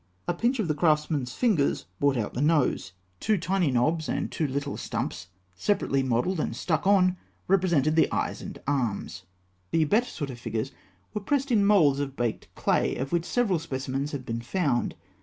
A pinch of the craftsman's fingers brought out the nose; two tiny knobs and two little stumps, separately modelled and stuck on, represented the eyes and arms. The better sort of figures were pressed in moulds of baked clay, of which several specimens have been found.